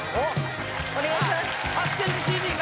お願いします